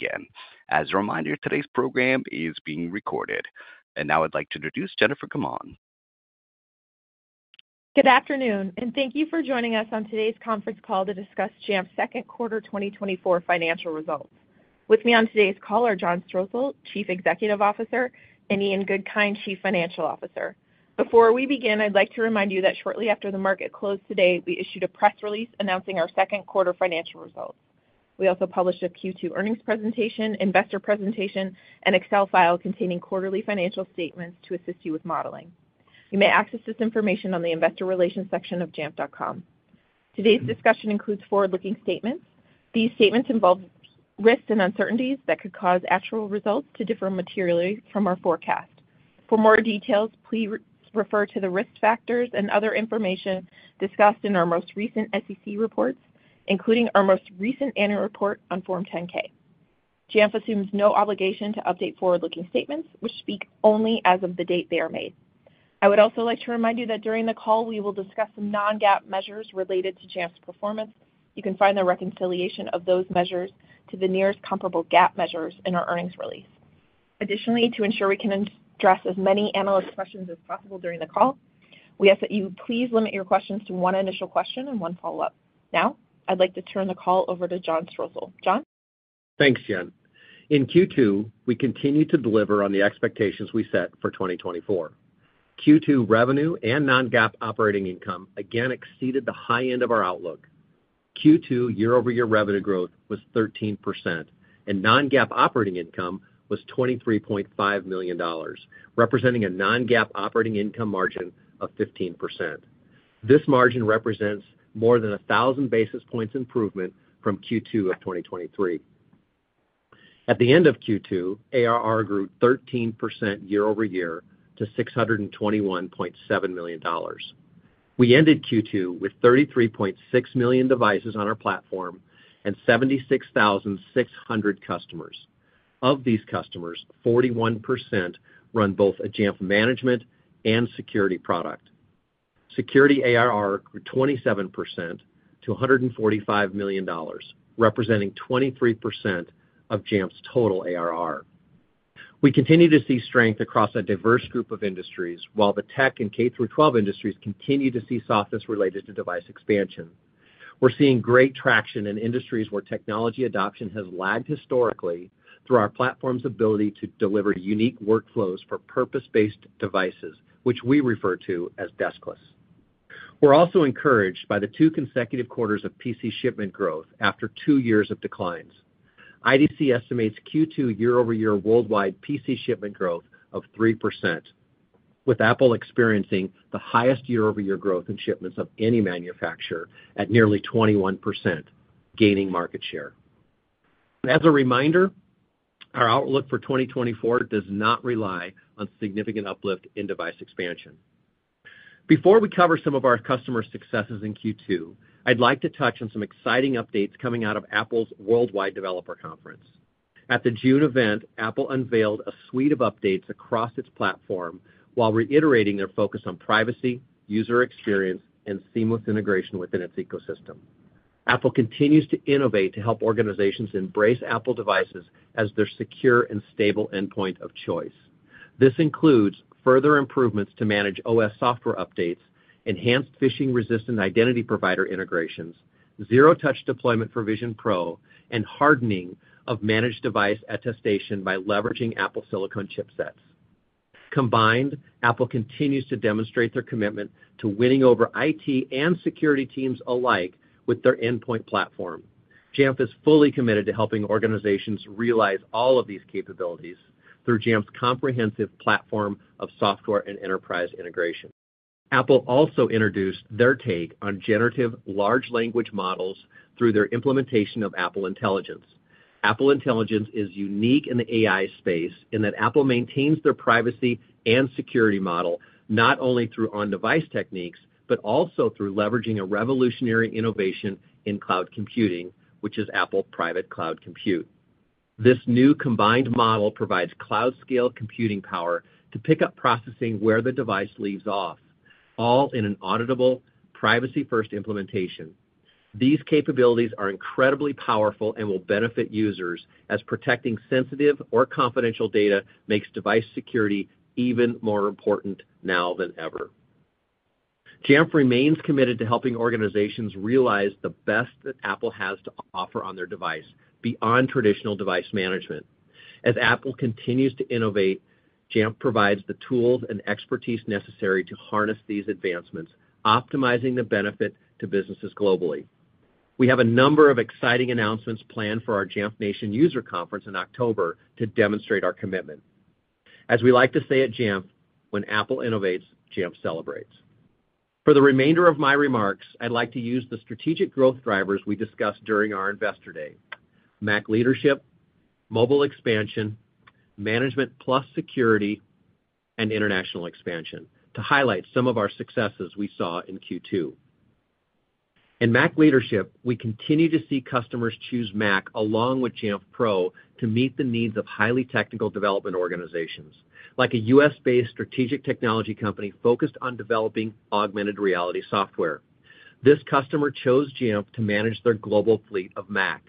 Again, as a reminder, today's program is being recorded. Now I'd like to introduce Jennifer Gaumond. Good afternoon, and thank you for joining us on today's conference call to discuss Jamf's Second Quarter 2024 Financial Results. With me on today's call are John Strosahl, Chief Executive Officer, and Ian Goodkind, Chief Financial Officer. Before we begin, I'd like to remind you that shortly after the market closed today, we issued a press release announcing our second quarter financial results. We also published a Q2 earnings presentation, investor presentation, and Excel file containing quarterly financial statements to assist you with modeling. You may access this information on the investor relations section of jamf.com. Today's discussion includes forward-looking statements. These statements involve risks and uncertainties that could cause actual results to differ materially from our forecast. For more details, please refer to the risk factors and other information discussed in our most recent SEC reports, including our most recent annual report on Form 10-K. Jamf assumes no obligation to update forward-looking statements, which speak only as of the date they are made. I would also like to remind you that during the call, we will discuss some non-GAAP measures related to Jamf's performance. You can find the reconciliation of those measures to the nearest comparable GAAP measures in our earnings release. Additionally, to ensure we can address as many analyst questions as possible during the call, we ask that you please limit your questions to one initial question and one follow-up. Now, I'd like to turn the call over to John Strosahl. John? Thanks, Jen. In Q2, we continued to deliver on the expectations we set for 2024. Q2 revenue and non-GAAP operating income again exceeded the high end of our outlook. Q2 year-over-year revenue growth was 13%, and non-GAAP operating income was $23.5 million, representing a non-GAAP operating income margin of 15%. This margin represents more than 1,000 basis points improvement from Q2 of 2023. At the end of Q2, ARR grew 13% year-over-year to $621.7 million. We ended Q2 with 33.6 million devices on our platform and 76,600 customers. Of these customers, 41% run both a Jamf management and security product. Security ARR grew 27% to $145 million, representing 23% of Jamf's total ARR. We continue to see strength across a diverse group of industries, while the tech and K-12 industries continue to see softness related to device expansion. We're seeing great traction in industries where technology adoption has lagged historically through our platform's ability to deliver unique workflows for purpose-based devices, which we refer to as deskless. We're also encouraged by the two consecutive quarters of PC shipment growth after two years of declines. IDC estimates Q2 year-over-year worldwide PC shipment growth of 3%, with Apple experiencing the highest year-over-year growth in shipments of any manufacturer at nearly 21%, gaining market share. As a reminder, our outlook for 2024 does not rely on significant uplift in device expansion. Before we cover some of our customer successes in Q2, I'd like to touch on some exciting updates coming out of Apple's Worldwide Developer Conference. At the June event, Apple unveiled a suite of updates across its platform while reiterating their focus on privacy, user experience, and seamless integration within its ecosystem. Apple continues to innovate to help organizations embrace Apple devices as their secure and stable endpoint of choice. This includes further improvements to manage OS software updates, enhanced phishing-resistant identity provider integrations, zero-touch deployment for Vision Pro, and hardening of managed device attestation by leveraging Apple silicon chipsets. Combined, Apple continues to demonstrate their commitment to winning over IT and security teams alike with their endpoint platform. Jamf is fully committed to helping organizations realize all of these capabilities through Jamf's comprehensive platform of software and enterprise integration. Apple also introduced their take on generative large language models through their implementation of Apple Intelligence. Apple Intelligence is unique in the AI space in that Apple maintains their privacy and security model, not only through on-device techniques, but also through leveraging a revolutionary innovation in Cloud computing, which is Apple Private Cloud Compute. This new combined model provides cloud-scale computing power to pick up processing where the device leaves off, all in an auditable, privacy-first implementation. These capabilities are incredibly powerful and will benefit users, as protecting sensitive or confidential data makes device security even more important now than ever. Jamf remains committed to helping organizations realize the best that Apple has to offer on their device beyond traditional device management. As Apple continues to innovate, Jamf provides the tools and expertise necessary to harness these advancements, optimizing the benefit to businesses globally. We have a number of exciting announcements planned for our Jamf Nation User Conference in October to demonstrate our commitment. As we like to say at Jamf, when Apple innovates, Jamf celebrates. For the remainder of my remarks, I'd like to use the strategic growth drivers we discussed during our Investor Day: Mac leadership, mobile expansion, management plus security, and international expansion, to highlight some of our successes we saw in Q2. In Mac leadership, we continue to see customers choose Mac along with Jamf Pro to meet the needs of highly technical development organizations, like a U.S.-based strategic technology company focused on developing augmented reality software. This customer chose Jamf to manage their global fleet of Mac.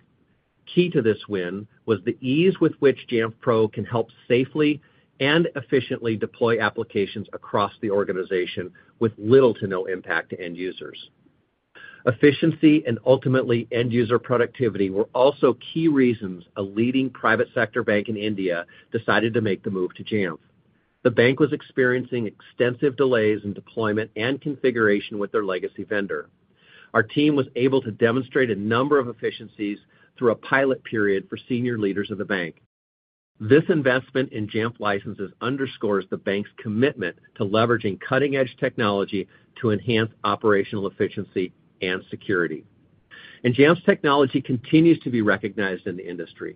Key to this win was the ease with which Jamf Pro can help safely and efficiently deploy applications across the organization with little to no impact to end users. Efficiency and ultimately, end user productivity, were also key reasons a leading private sector bank in India decided to make the move to Jamf. The bank was experiencing extensive delays in deployment and configuration with their legacy vendor. Our team was able to demonstrate a number of efficiencies through a pilot period for senior leaders of the bank. This investment in Jamf licenses underscores the bank's commitment to leveraging cutting-edge technology to enhance operational efficiency and security. Jamf's technology continues to be recognized in the industry.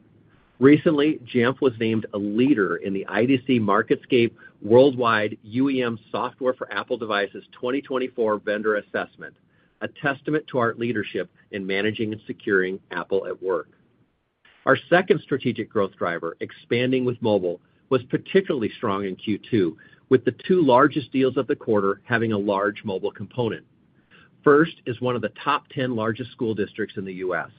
Recently, Jamf was named a leader in the IDC MarketScape Worldwide UEM Software for Apple Devices 2024 Vendor Assessment, a testament to our leadership in managing and securing Apple at work. Our second strategic growth driver, expanding with mobile, was particularly strong in Q2, with the two largest deals of the quarter having a large mobile component. First is one of the top 10 largest school districts in the U.S.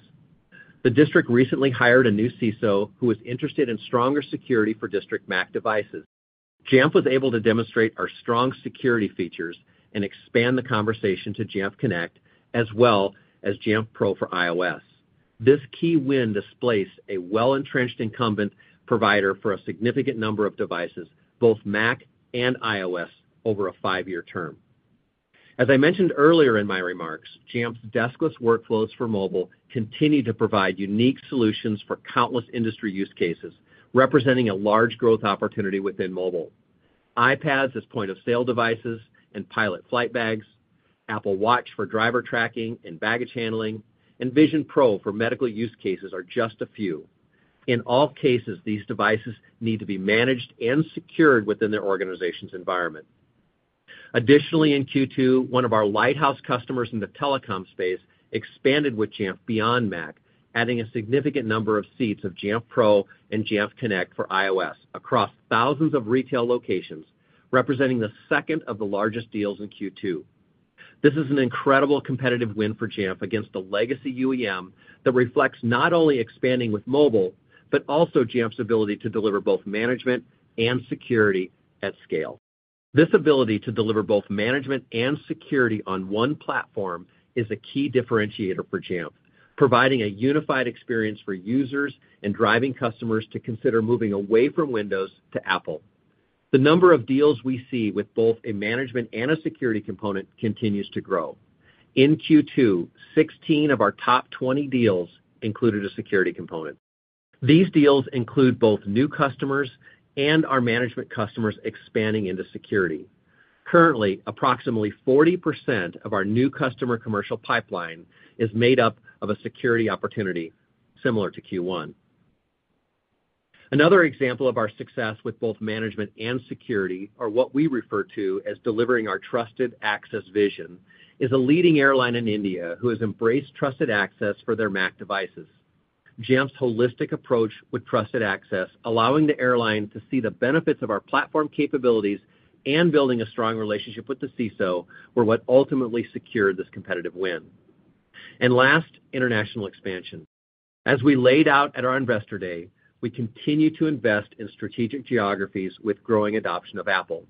The district recently hired a new CISO, who was interested in stronger security for district Mac devices. Jamf was able to demonstrate our strong security features and expand the conversation to Jamf Connect, as well as Jamf Pro for iOS. This key win displaced a well-entrenched incumbent provider for a significant number of devices, both Mac and iOS, over a five year term. As I mentioned earlier in my remarks, Jamf's deskless workflows for mobile continue to provide unique solutions for countless industry use cases, representing a large growth opportunity within mobile. iPads as point-of-sale devices and pilot flight bags, Apple Watch for driver tracking and baggage handling, and Vision Pro for medical use cases are just a few. In all cases, these devices need to be managed and secured within their organization's environment. Additionally, in Q2, one of our lighthouse customers in the telecom space expanded with Jamf beyond Mac, adding a significant number of seats of Jamf Pro and Jamf Connect for iOS across thousands of retail locations, representing the second largest deals in Q2. This is an incredible competitive win for Jamf against a legacy UEM that reflects not only expanding with mobile, but also Jamf's ability to deliver both management and security at scale. This ability to deliver both management and security on one platform is a key differentiator for Jamf, providing a unified experience for users and driving customers to consider moving away from Windows to Apple. The number of deals we see with both a management and a security component continues to grow. In Q2, 16 of our top 20 deals included a security component. These deals include both new customers and our management customers expanding into security. Currently, approximately 40% of our new customer commercial pipeline is made up of a security opportunity, similar to Q1. Another example of our success with both management and security, or what we refer to as delivering our Trusted Access vision, is a leading airline in India who has embraced Trusted Access for their Mac devices. Jamf's holistic approach with Trusted Access, allowing the airline to see the benefits of our platform capabilities and building a strong relationship with the CISO, were what ultimately secured this competitive win. And last, international expansion. As we laid out at our Investor Day, we continue to invest in strategic geographies with growing adoption of Apple.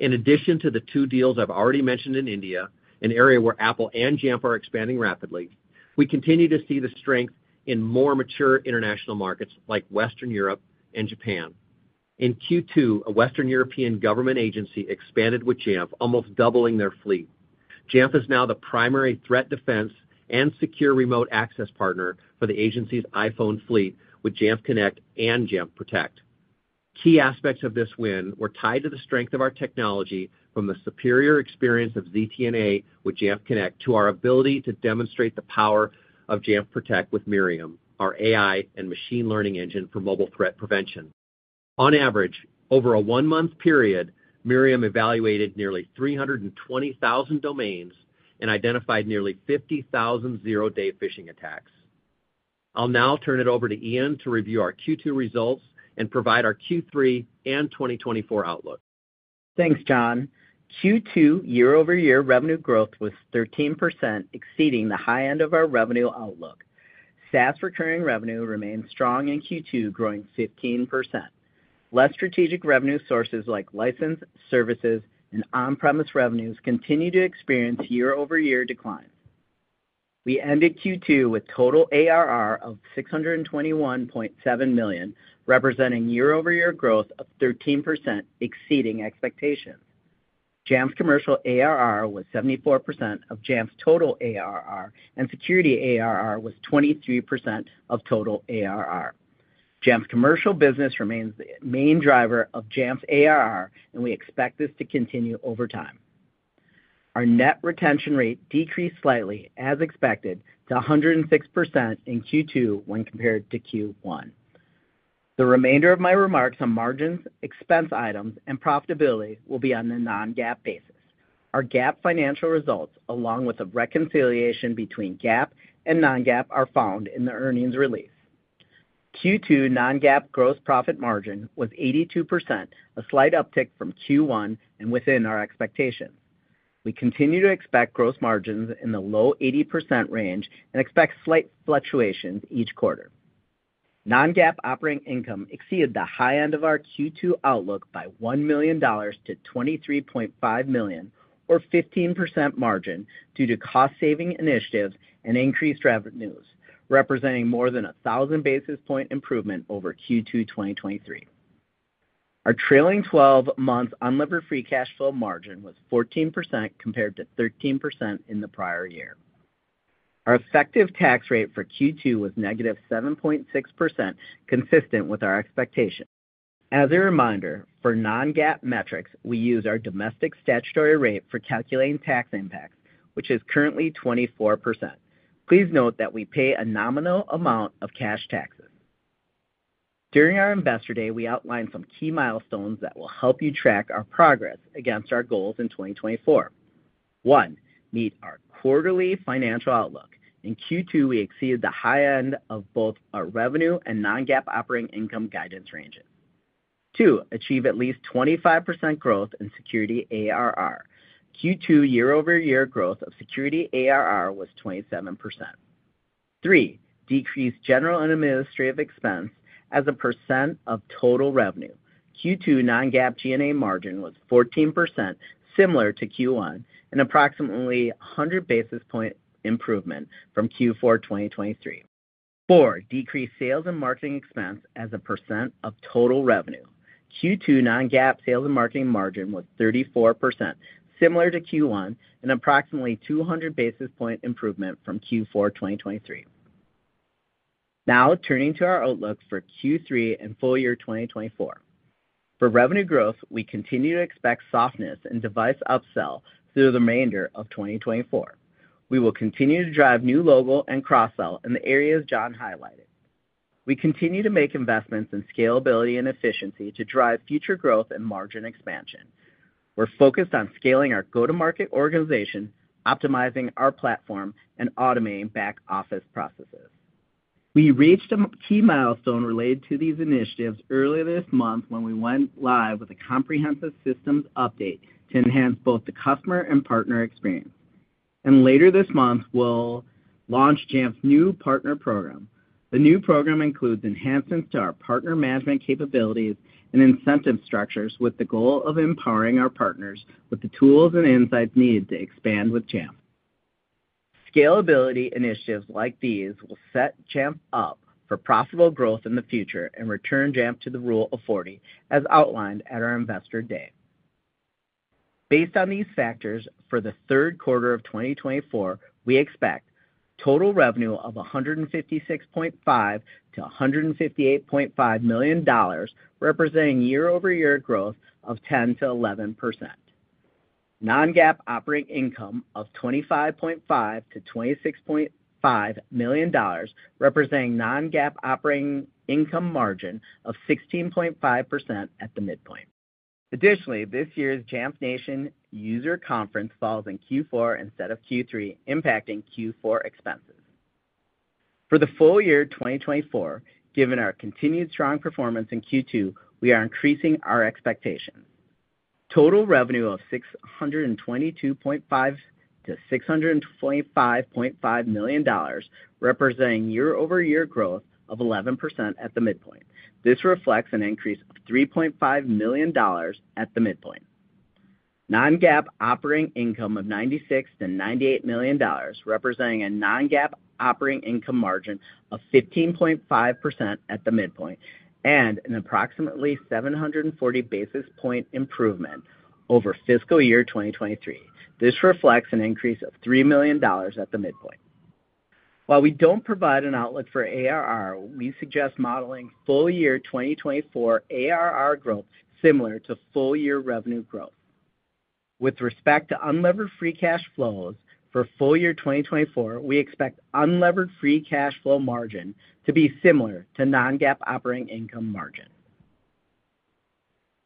In addition to the two deals I've already mentioned in India, an area where Apple and Jamf are expanding rapidly, we continue to see the strength in more mature international markets like Western Europe and Japan. In Q2, a Western European government agency expanded with Jamf, almost doubling their fleet. Jamf is now the primary threat defense and secure remote access partner for the agency's iPhone fleet with Jamf Connect and Jamf Protect. Key aspects of this win were tied to the strength of our technology, from the superior experience of ZTNA with Jamf Connect, to our ability to demonstrate the power of Jamf Protect with MI:RIAM, our AI and machine learning engine for mobile threat prevention. On average, over a one-month period, MI:RIAM evaluated nearly 320,000 domains and identified nearly 50,000 zero-day phishing attacks. I'll now turn it over to Ian to review our Q2 results and provide our Q3 and 2024 outlook. Thanks, John. Q2 year-over-year revenue growth was 13%, exceeding the high end of our revenue outlook. SaaS recurring revenue remained strong in Q2, growing 15%. Less strategic revenue sources like license, services, and on-premise revenues continue to experience year-over-year declines. We ended Q2 with total ARR of $621.7 million, representing year-over-year growth of 13%, exceeding expectations. Jamf's commercial ARR was 74% of Jamf's total ARR, and security ARR was 23% of total ARR. Jamf's commercial business remains the main driver of Jamf's ARR, and we expect this to continue over time. Our net retention rate decreased slightly, as expected, to 106% in Q2 when compared to Q1. The remainder of my remarks on margins, expense items, and profitability will be on a non-GAAP basis. Our GAAP financial results, along with a reconciliation between GAAP and non-GAAP, are found in the earnings release. Q2 non-GAAP gross profit margin was 82%, a slight uptick from Q1 and within our expectations. We continue to expect gross margins in the low 80% range and expect slight fluctuations each quarter. Non-GAAP operating income exceeded the high end of our Q2 outlook by $1 million - $23.5 million, or 15% margin, due to cost-saving initiatives and increased revenues, representing more than 1,000 basis points improvement over Q2 2023. Our trailing 12-month unlevered free cash flow margin was 14%, compared to 13% in the prior year. Our effective tax rate for Q2 was -7.6%, consistent with our expectations. As a reminder, for non-GAAP metrics, we use our domestic statutory rate for calculating tax impacts, which is currently 24%. Please note that we pay a nominal amount of cash taxes. During our Investor Day, we outlined some key milestones that will help you track our progress against our goals in 2024. One, meet our quarterly financial outlook. In Q2, we exceeded the high end of both our revenue and non-GAAP operating income guidance ranges. Two, achieve at least 25% growth in security ARR. Q2 year-over-year growth of security ARR was 27%. Three, decrease general and administrative expense as a percent of total revenue. Q2 non-GAAP G&A margin was 14%, similar to Q1, and approximately 100 basis points improvement from Q4 2023. Four, decrease sales and marketing expense as a percent of total revenue. Q2 non-GAAP sales and marketing margin was 34%, similar to Q1, and approximately 200 basis point improvement from Q4 2023. Now turning to our outlook for Q3 and full year 2024. For revenue growth, we continue to expect softness in device upsell through the remainder of 2024. We will continue to drive new logo and cross-sell in the areas John highlighted. We continue to make investments in scalability and efficiency to drive future growth and margin expansion. We're focused on scaling our go-to-market organization, optimizing our platform, and automating back-office processes. We reached a key milestone related to these initiatives earlier this month when we went live with a comprehensive systems update to enhance both the customer and partner experience. And later this month, we'll launch Jamf's new partner program. The new program includes enhancements to our partner management capabilities and incentive structures, with the goal of empowering our partners with the tools and insights needed to expand with Jamf. Scalability initiatives like these will set Jamf up for profitable growth in the future and return Jamf to the Rule of 40, as outlined at our Investor Day. Based on these factors, for the third quarter of 2024, we expect total revenue of $156.5 million-$158.5 million, representing 10%-11% year-over-year growth. Non-GAAP operating income of $25.5 million-$26.5 million, representing non-GAAP operating income margin of 16.5% at the midpoint. Additionally, this year's Jamf Nation User Conference falls in Q4 instead of Q3, impacting Q4 expenses. For the full year 2024, given our continued strong performance in Q2, we are increasing our expectations. Total revenue of $622.5 million-$625.5 million, representing year-over-year growth of 11% at the midpoint. This reflects an increase of $3.5 million at the midpoint. Non-GAAP operating income of $96 million-$98 million, representing a non-GAAP operating income margin of 15.5% at the midpoint, and an approximately 740 basis point improvement over fiscal year 2023. This reflects an increase of $3 million at the midpoint. While we don't provide an outlook for ARR, we suggest modeling full year 2024 ARR growth similar to full year revenue growth. With respect to unlevered free cash flows for full year 2024, we expect unlevered free cash flow margin to be similar to non-GAAP operating income margin.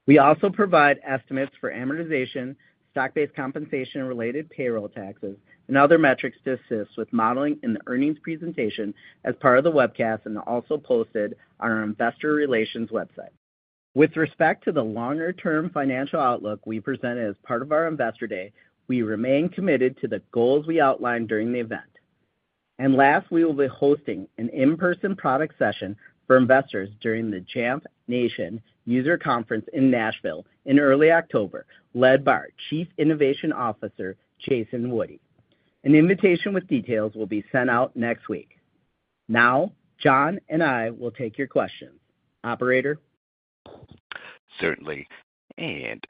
We also provide estimates for amortization, stock-based compensation, and related payroll taxes, and other metrics to assist with modeling in the earnings presentation as part of the webcast, and also posted on our investor relations website. With respect to the longer-term financial outlook we presented as part of our Investor Day, we remain committed to the goals we outlined during the event. Last, we will be hosting an in-person product session for investors during the Jamf Nation User Conference in Nashville in early October, led by our Chief Innovation Officer, Jason Wudi. An invitation with details will be sent out next week. Now, John and I will take your questions. Operator? Certainly, and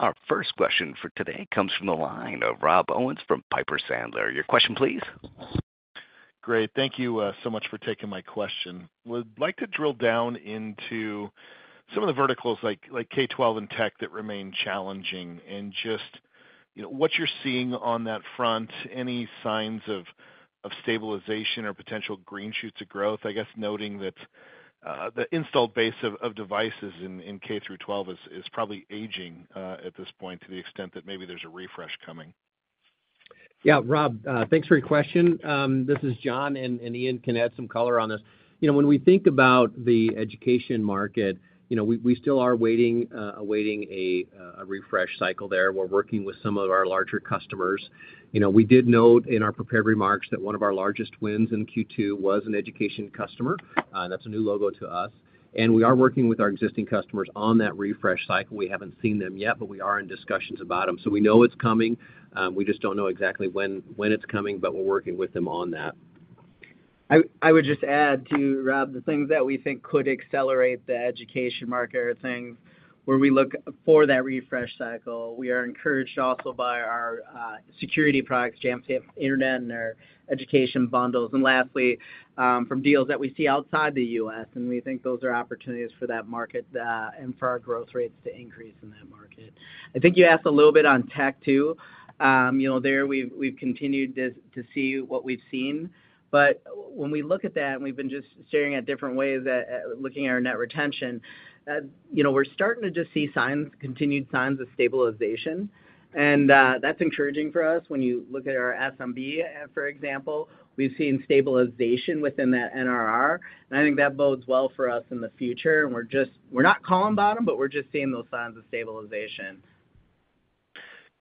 our first question for today comes from the line of Rob Owens from Piper Sandler. Your question, please? Great, thank you, so much for taking my question. Would like to drill down into some of the verticals, like, like K-12 and tech, that remain challenging, and just, you know, what you're seeing on that front, any signs of stabilization or potential green shoots of growth? I guess, noting that, the installed base of devices in K-12 is probably aging, at this point, to the extent that maybe there's a refresh coming.... Yeah, Rob, thanks for your question. This is John, and Ian can add some color on this. You know, when we think about the education market, you know, we still are waiting, awaiting a refresh cycle there. We're working with some of our larger customers. You know, we did note in our prepared remarks that one of our largest wins in Q2 was an education customer, that's a new logo to us, and we are working with our existing customers on that refresh cycle. We haven't seen them yet, but we are in discussions about them. So we know it's coming, we just don't know exactly when it's coming, but we're working with them on that. I would just add, too, Rob, the things that we think could accelerate the education market are things where we look for that refresh cycle. We are encouraged also by our security products, Jamf Safe Internet, and our education bundles. And lastly, from deals that we see outside the U.S., and we think those are opportunities for that market, and for our growth rates to increase in that market. I think you asked a little bit on tech, too. You know, there we've continued to see what we've seen. But when we look at that, and we've been just staring at different ways at looking at our net retention, you know, we're starting to just see signs, continued signs of stabilization, and that's encouraging for us. When you look at our SMB, for example, we've seen stabilization within that NRR, and I think that bodes well for us in the future. We're just -- we're not calling bottom, but we're just seeing those signs of stabilization.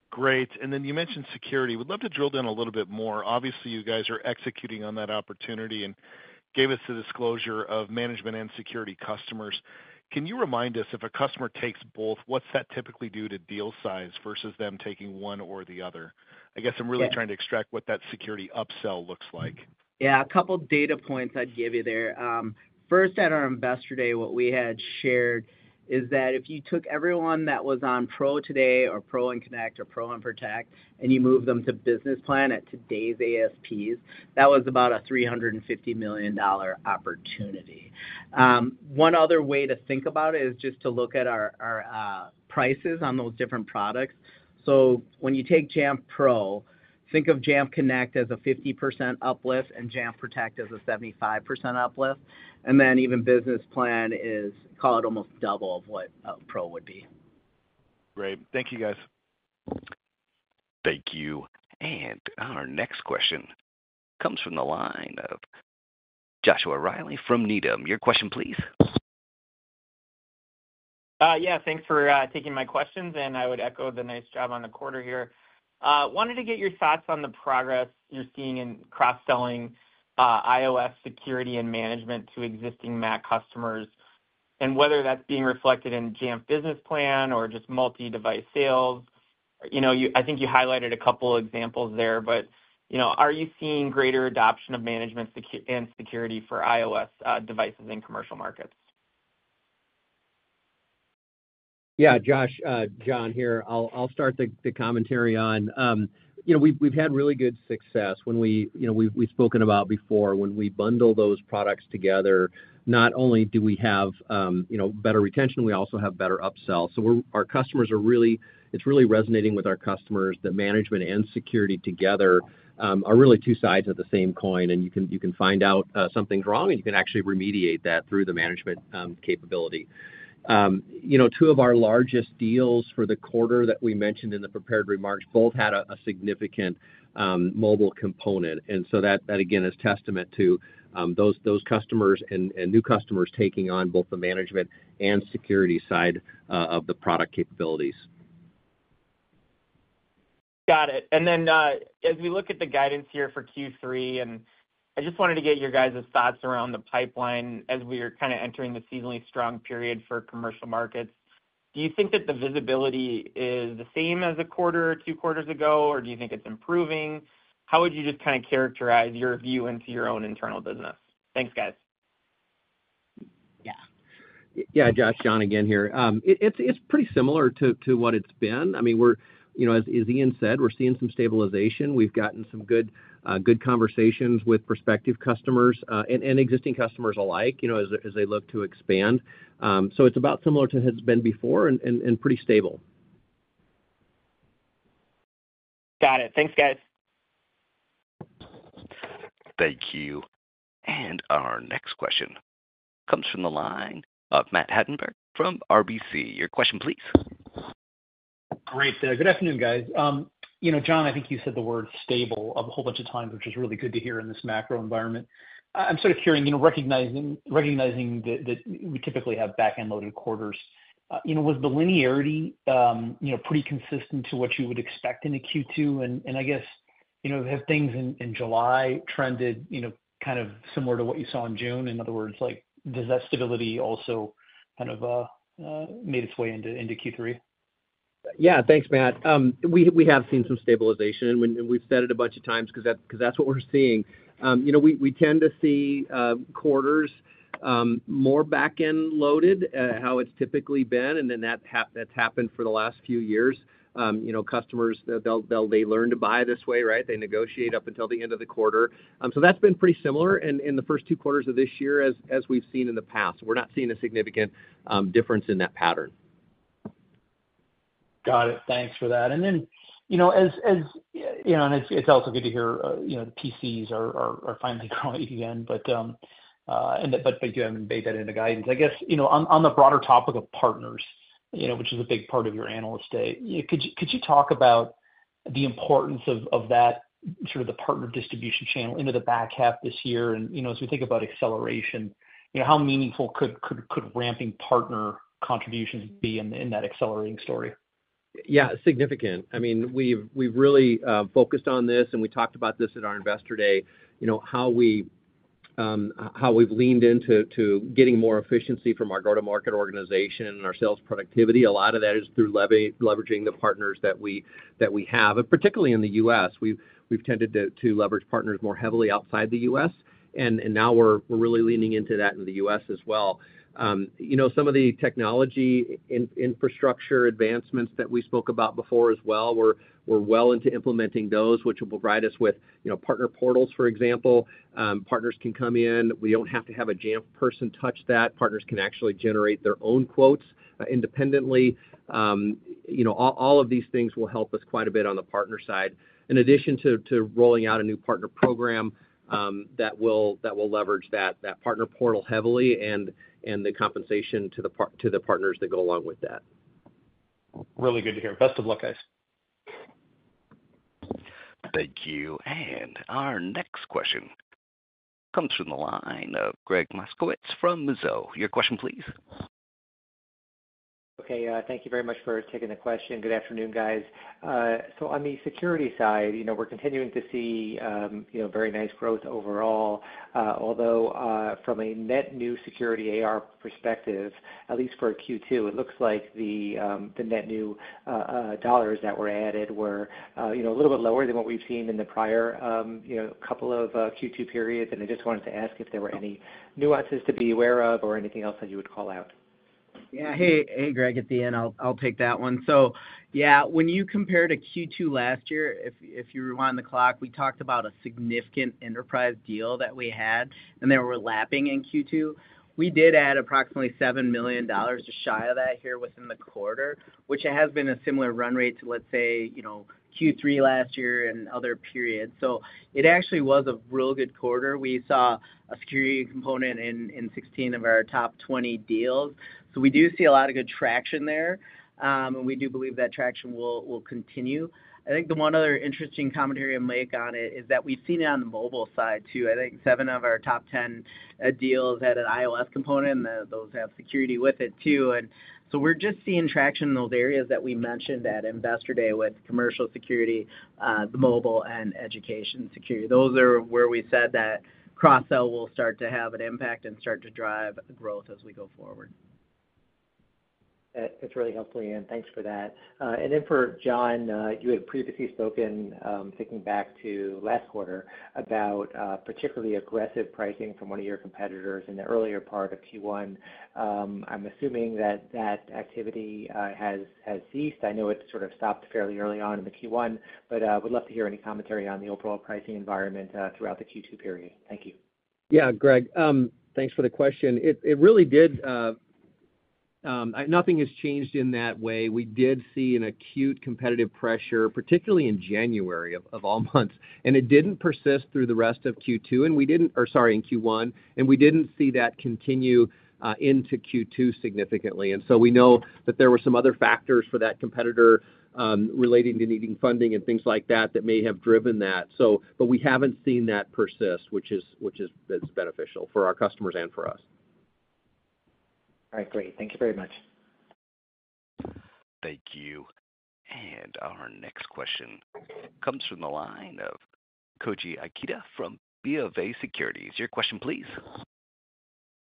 Great. Then you mentioned security. Would love to drill down a little bit more. Obviously, you guys are executing on that opportunity and gave us the disclosure of management and security customers. Can you remind us, if a customer takes both, what's that typically do to deal size versus them taking one or the other? I guess I'm really- Yeah. trying to extract what that security upsell looks like. Yeah, a couple data points I'd give you there. First, at our Investor Day, what we had shared is that if you took everyone that was on Jamf Pro today, or Jamf Pro and Jamf Connect, or Jamf Pro and Jamf Protect, and you moved them to Jamf Business Plan at today's ASPs, that was about a $350 million opportunity. One other way to think about it is just to look at our, our, prices on those different products. So when you take Jamf Pro, think of Jamf Connect as a 50% uplift and Jamf Protect as a 75% uplift, and then even Jamf Business Plan is, call it, almost double of what, Pro would be. Great. Thank you, guys. Thank you. Our next question comes from the line of Joshua Reilly from Needham. Your question, please. Yeah, thanks for taking my questions, and I would echo the nice job on the quarter here. Wanted to get your thoughts on the progress you're seeing in cross-selling, iOS security and management to existing Mac customers, and whether that's being reflected in Jamf Business Plan or just multi-device sales. You know, you—I think you highlighted a couple examples there, but, you know, are you seeing greater adoption of management and security for iOS devices in commercial markets? Yeah, Josh, John here. I'll start the commentary on. You know, we've had really good success when we... You know, we've spoken about before, when we bundle those products together, not only do we have better retention, we also have better upsell. So our customers are really—it's really resonating with our customers that management and security together are really two sides of the same coin, and you can, you can find out something's wrong, and you can actually remediate that through the management capability. You know, two of our largest deals for the quarter that we mentioned in the prepared remarks, both had a significant mobile component. And so that again is testament to those customers and new customers taking on both the management and security side of the product capabilities. Got it. And then, as we look at the guidance here for Q3, and I just wanted to get your guys' thoughts around the pipeline as we are kinda entering the seasonally strong period for commercial markets. Do you think that the visibility is the same as a quarter or two quarters ago, or do you think it's improving? How would you just kinda characterize your view into your own internal business? Thanks, guys. Yeah. Yeah, Josh, John again here. It's, it's pretty similar to what it's been. I mean, we're, you know, as Ian said, we're seeing some stabilization. We've gotten some good good conversations with prospective customers, and existing customers alike, you know, as they look to expand. So it's about similar to what it has been before and pretty stable. Got it. Thanks, guys. Thank you. Our next question comes from the line of Matt Hedberg from RBC. Your question please. Great. Good afternoon, guys. You know, John, I think you said the word stable a whole bunch of times, which is really good to hear in this macro environment. I'm sort of curious, you know, recognizing that we typically have back-end loaded quarters, you know, was the linearity, you know, pretty consistent to what you would expect in a Q2? And I guess, you know, have things in July trended, you know, kind of similar to what you saw in June? In other words, like, does that stability also kind of made its way into Q3? Yeah. Thanks, Matt. We have seen some stabilization, and we've said it a bunch of times 'cause that's what we're seeing. You know, we tend to see quarters more back-end loaded, how it's typically been, and that's happened for the last few years. You know, customers, they'll, they'll—they learn to buy this way, right? They negotiate up until the end of the quarter. So that's been pretty similar in the first two quarters of this year as we've seen in the past. We're not seeing a significant difference in that pattern. Got it. Thanks for that. And then, you know, as you know, and it's also good to hear, you know, the PCs are finally growing again, but, and that, but you haven't baked that into guidance. I guess, you know, on the broader topic of partners-... you know, which is a big part of your Analyst Day. Could you talk about the importance of that, sort of the partner distribution channel into the back half this year? And, you know, as we think about acceleration, you know, how meaningful could ramping partner contributions be in that accelerating story? Yeah, significant. I mean, we've really focused on this, and we talked about this at our Investor Day, you know, how we've leaned into getting more efficiency from our go-to-market organization and our sales productivity. A lot of that is through leveraging the partners that we have, and particularly in the U.S. We've tended to leverage partners more heavily outside the U.S., and now we're really leaning into that in the U.S. as well. You know, some of the technology infrastructure advancements that we spoke about before as well, we're well into implementing those, which will provide us with, you know, partner portals, for example. Partners can come in. We don't have to have a Jamf person touch that. Partners can actually generate their own quotes independently. You know, all of these things will help us quite a bit on the partner side. In addition to rolling out a new partner program that will leverage that partner portal heavily and the compensation to the partners that go along with that. Really good to hear. Best of luck, guys. Thank you. Our next question comes from the line of Gregg Moskowitz from Mizuho. Your question, please. Okay, thank you very much for taking the question. Good afternoon, guys. So on the security side, you know, we're continuing to see, you know, very nice growth overall, although, from a net new security AR perspective, at least for Q2, it looks like the net new dollars that were added were, you know, a little bit lower than what we've seen in the prior, you know, couple of Q2 periods. And I just wanted to ask if there were any nuances to be aware of or anything else that you would call out. Yeah. Hey, hey, Greg, it's Ian. I'll take that one. So yeah, when you compare to Q2 last year, if you were on the clock, we talked about a significant enterprise deal that we had, and they were lapping in Q2. We did add approximately $7 million just shy of that here within the quarter, which has been a similar run rate to, let's say, you know, Q3 last year and other periods. So it actually was a real good quarter. We saw a security component in 16 of our top 20 deals. So we do see a lot of good traction there, and we do believe that traction will continue. I think the one other interesting commentary I'm make on it is that we've seen it on the mobile side, too. I think seven of our top 10 deals had an iOS component, and those have security with it, too. And so we're just seeing traction in those areas that we mentioned at Investor Day with commercial security, the mobile and education security. Those are where we said that cross-sell will start to have an impact and start to drive growth as we go forward. That's really helpful, Ian, thanks for that. And then for John, you had previously spoken, thinking back to last quarter, about particularly aggressive pricing from one of your competitors in the earlier part of Q1. I'm assuming that that activity has ceased. I know it sort of stopped fairly early on in the Q1, but would love to hear any commentary on the overall pricing environment throughout the Q2 period. Thank you. Yeah, Greg, thanks for the question. It really did. Nothing has changed in that way. We did see an acute competitive pressure, particularly in January, of all months, and it didn't persist through the rest of Q1, and we didn't see that continue into Q2 significantly. And so we know that there were some other factors for that competitor, relating to needing funding and things like that, that may have driven that. So, but we haven't seen that persist, which is beneficial for our customers and for us. All right, great. Thank you very much. Thank you. And our next question comes from the line of Koji Ikeda from BofA Securities. Your question, please.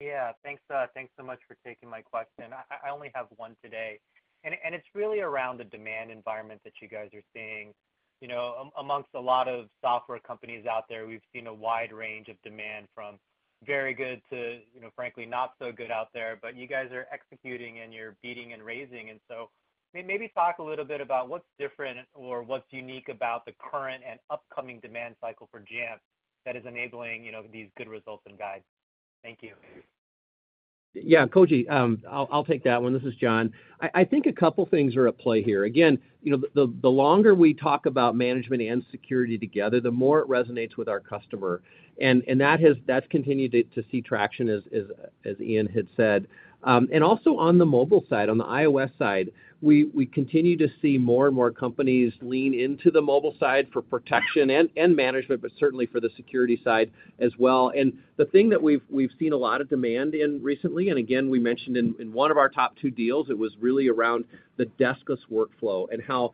Yeah, thanks, thanks so much for taking my question. I only have one today, and it's really around the demand environment that you guys are seeing. You know, amongst a lot of software companies out there, we've seen a wide range of demand, from very good to, you know, frankly, not so good out there. But you guys are executing, and you're beating and raising. And so maybe talk a little bit about what's different or what's unique about the current and upcoming demand cycle for Jamf that is enabling, you know, these good results and guides. Thank you. Yeah, Koji, I'll take that one. This is John. I think a couple things are at play here. Again, you know, the longer we talk about management and security together, the more it resonates with our customer, and that has- that's continued to see traction, as Ian had said. And also on the mobile side, on the iOS side, we continue to see more and more companies lean into the mobile side for protection and management, but certainly for the security side as well. And the thing that we've seen a lot of demand in recently, and again, we mentioned in one of our top two deals, it was really around the deskless workflow and how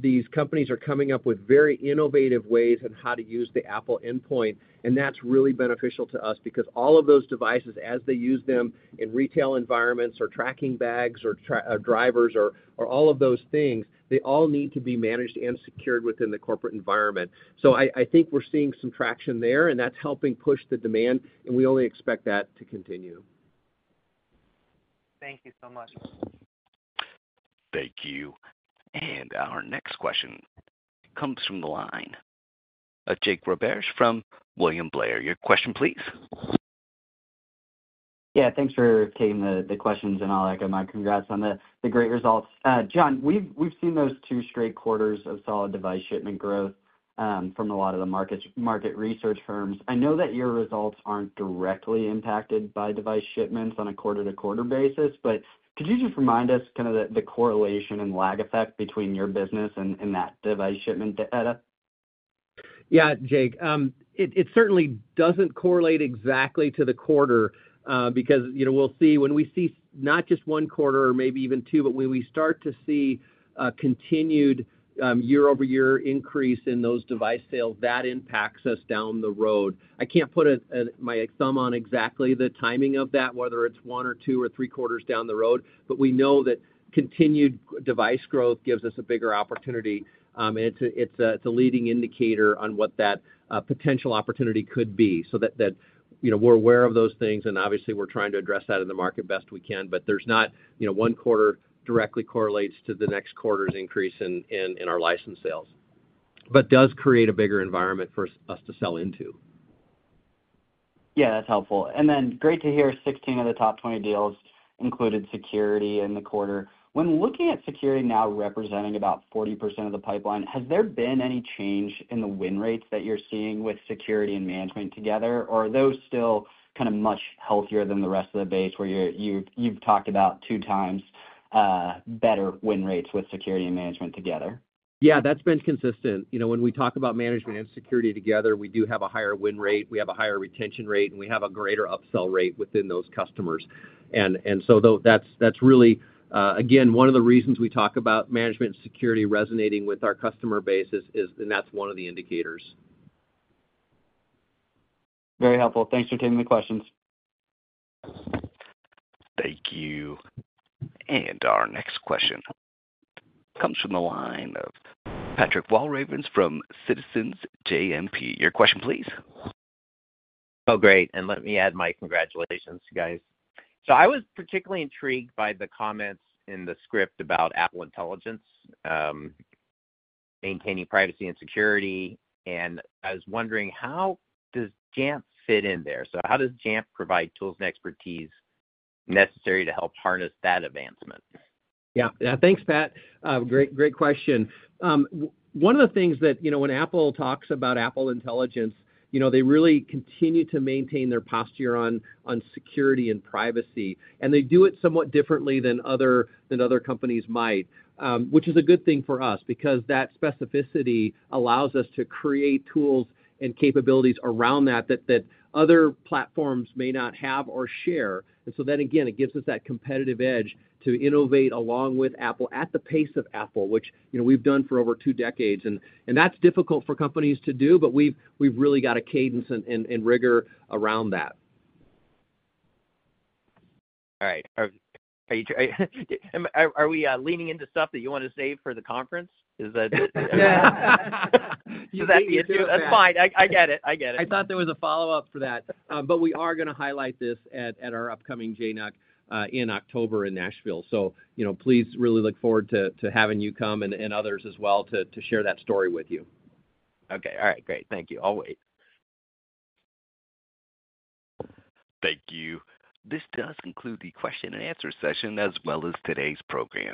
these companies are coming up with very innovative ways on how to use the Apple endpoint. And that's really beneficial to us because all of those devices, as they use them in retail environments or tracking bags or drivers or all of those things, they all need to be managed and secured within the corporate environment. So I think we're seeing some traction there, and that's helping push the demand, and we only expect that to continue. Thank you so much. Thank you. Our next question comes from the line of Jake Roberge from William Blair. Your question, please. Yeah, thanks for taking the questions and all that. My congrats on the great results. John, we've seen those two straight quarters of solid device shipment growth from a lot of the market research firms. I know that your results aren't directly impacted by device shipments on a quarter-to-quarter basis, but could you just remind us kind of the correlation and lag effect between your business and that device shipment data? Yeah, Jake. It certainly doesn't correlate exactly to the quarter, because, you know, we'll see when we see not just one quarter or maybe even two, but when we start to see a continued year-over-year increase in those device sales, that impacts us down the road. I can't put my thumb on exactly the timing of that, whether it's one or two or three quarters down the road, but we know that continued device growth gives us a bigger opportunity, and it's a leading indicator on what that potential opportunity could be. So that you know, we're aware of those things, and obviously, we're trying to address that in the market best we can, but there's not, you know, one quarter directly correlates to the next quarter's increase in our license sales, but does create a bigger environment for us to sell into. Yeah, that's helpful. Then great to hear 16 of the top 20 deals included security in the quarter. When looking at security now representing about 40% of the pipeline, has there been any change in the win rates that you're seeing with security and management together, or are those still kind of much healthier than the rest of the base, where you've talked about two times better win rates with security and management together? Yeah, that's been consistent. You know, when we talk about management and security together, we do have a higher win rate, we have a higher retention rate, and we have a greater upsell rate within those customers. And so though that's really again, one of the reasons we talk about management and security resonating with our customer base is and that's one of the indicators. Very helpful. Thanks for taking the questions. Thank you. Our next question comes from the line of Patrick Walravens from Citizens JMP. Your question, please. Oh, great, and let me add my congratulations, guys. I was particularly intrigued by the comments in the script about Apple Intelligence, maintaining privacy and security, and I was wondering: How does Jamf fit in there? How does Jamf provide tools and expertise necessary to help harness that advancement? Yeah. Yeah, thanks, Pat. Great, great question. One of the things that, you know, when Apple talks about Apple Intelligence, you know, they really continue to maintain their posture on security and privacy, and they do it somewhat differently than other companies might. Which is a good thing for us because that specificity allows us to create tools and capabilities around that other platforms may not have or share. And so then again, it gives us that competitive edge to innovate along with Apple, at the pace of Apple, which, you know, we've done for over two decades, and that's difficult for companies to do, but we've really got a cadence and rigor around that. All right. Are we leaning into stuff that you wanna save for the conference? Is that- Yeah. That's fine. I, I get it. I get it. I thought there was a follow-up for that, but we are gonna highlight this at, at our upcoming JNUC, in October in Nashville. So, you know, please, really look forward to, to having you come and, and others as well, to, to share that story with you. Okay. All right, great. Thank you. I'll wait. Thank you. This does conclude the question and answer session, as well as today's program.